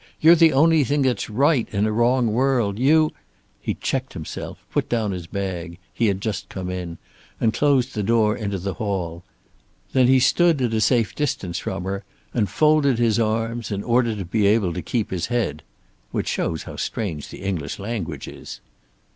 You're the only thing that's right in a wrong world. You " He checked himself, put down his bag he had just come in and closed the door into the hall. Then he stood at a safe distance from her, and folded his arms in order to be able to keep his head which shows how strange the English language is.